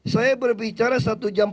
sama sekali di gastronomi